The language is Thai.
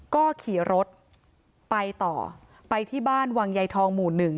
ก็ขี่รถไปต่อไปที่บ้านวังใยทองหมู่หนึ่ง